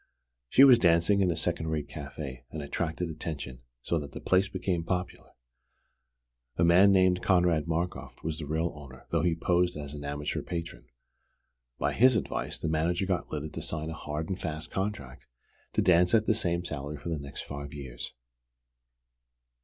She was dancing in a second rate café, and attracted attention, so that the place became popular. A man named Konrad Markoff was the real owner, though he posed as an amateur patron. By his advice, the manager got Lyda to sign a hard and fast contract to dance at the same salary for the next five years.